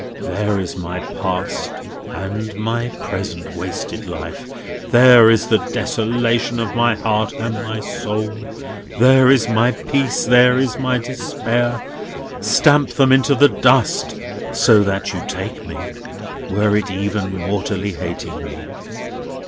"There is my past and my present wasted life. There is the desolation of my heart and my soul. There is my peace; there is my despair. Stamp them into the dust; so that you take me, were it even mortally hating me!"